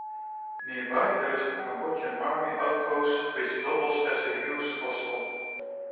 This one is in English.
Nearby there is a Cambodian army outpost which doubles as a youth hostel.